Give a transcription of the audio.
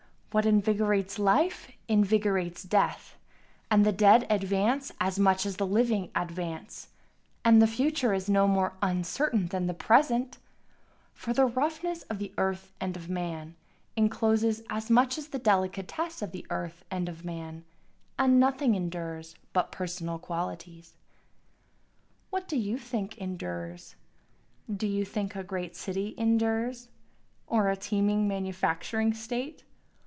What invigorates life invigorates death, And the dead advance as much as the living advance, And the future is no more uncertain than the present, For the roughness of the earth and of man encloses as much as the delicatesse of the earth and of man, And nothing endures but personal qualities. What do you think endures? Do you think a great city endures? Or a teeming manufacturing state?